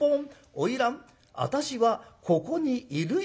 『花魁私はここにいるよ』。